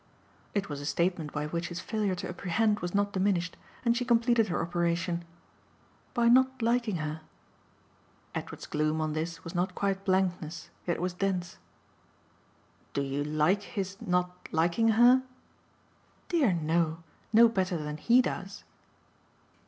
It was a statement by which his failure to apprehend was not diminished, and she completed her operation. "By not liking her." Edward's gloom, on this, was not quite blankness, yet it was dense. "Do you like his not liking her?" "Dear no. No better than HE does."